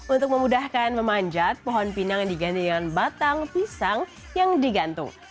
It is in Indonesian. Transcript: untuk memudahkan memanjat pohon pinang diganti dengan batang pisang yang digantung